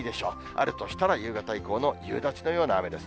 あるとしたら、夕方以降の夕立のような雨です。